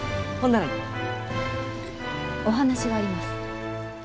お話があります。